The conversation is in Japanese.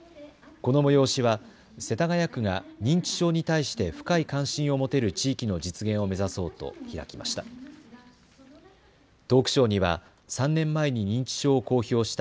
この催しは世田谷区が認知症に対して深い関心を持てる地域の実現を目指そうと開きました。